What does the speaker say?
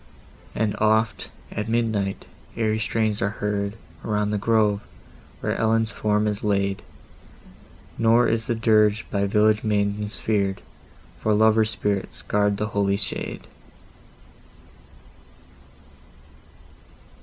And oft, at midnight, airy strains are heard Around the grove, where Ellen's form is laid; Nor is the dirge by village maidens fear'd, For lovers' spirits guard the holy shade!